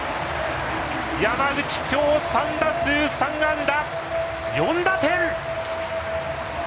山口、今日３打数３安打４打点！